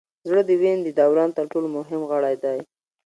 زړه د وینې د دوران تر ټولو مهم غړی دی